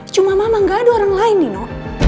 cuma mama gak ada orang lain nino